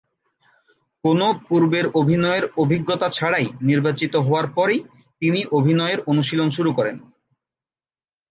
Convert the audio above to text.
কোনও পূর্বের অভিনয়ের অভিজ্ঞতা ছাড়াই, নির্বাচিত হওয়ার পরই তিনি অভিনয়ের অনুশীলন শুরু করেন।